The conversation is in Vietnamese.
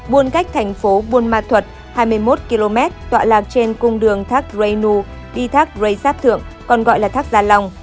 buôn cách thành phố buôn ma thuật hai mươi một km tọa lạc trên cung đường thác rây nu đi thác rây xáp thượng còn gọi là thác gia long